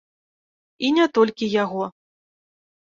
І не толькі яго.